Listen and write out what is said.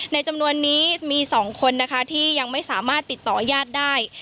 จำนวนนี้มี๒คนนะคะที่ยังไม่สามารถติดต่อยาดได้